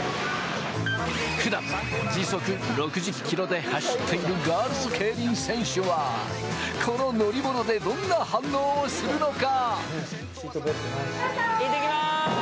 普段、時速６０キロで走っているガールズケイリン選手は、この乗り物でどんな反応をするのか？